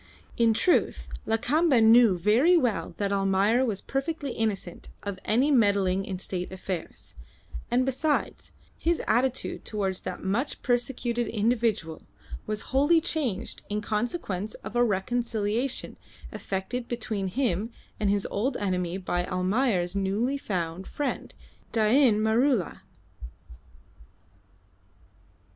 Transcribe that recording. In truth, Lakamba knew very well that Almayer was perfectly innocent of any meddling in state affairs; and besides, his attitude towards that much persecuted individual was wholly changed in consequence of a reconciliation effected between him and his old enemy by Almayer's newly found friend, Dain Maroola.